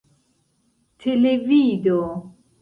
televido